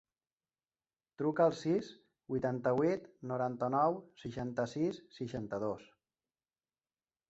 Truca al sis, vuitanta-vuit, noranta-nou, seixanta-sis, seixanta-dos.